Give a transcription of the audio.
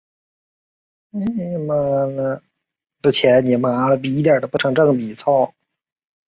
只逗留一个球季即以亚军身份升级到威尔斯联盟联赛。